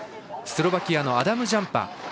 スロバキアのアダム・ジャンパ。